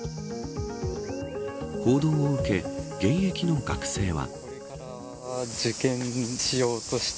報道を受け、現役の学生は。